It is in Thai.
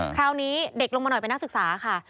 คราวนี้เด็กลงมาหน่อยเป็นนักศึกษาค่ะ